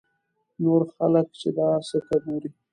نور خلک چې دا سکه ګوري.